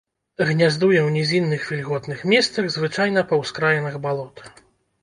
Гняздуе ў нізінных вільготных месцах, звычайна па ўскраінах балот.